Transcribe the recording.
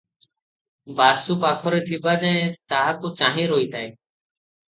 ବାସୁ ପାଖରେ ଥିବା ଯାଏ ତାହାକୁ ଚାହିଁ ରହିଥାଏ।